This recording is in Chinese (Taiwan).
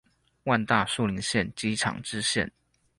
萬大樹林線機廠支線